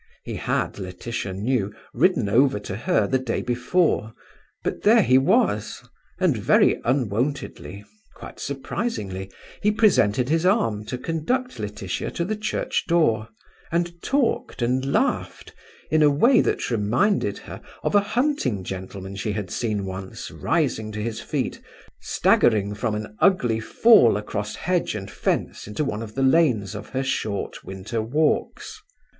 He had, Laetitia knew, ridden over to her the day before; but there he was; and very unwontedly, quite surprisingly, he presented his arm to conduct Laetitia to the church door, and talked and laughed in a way that reminded her of a hunting gentleman she had seen once rising to his feet, staggering from an ugly fall across hedge and fence into one of the lanes of her short winter walks.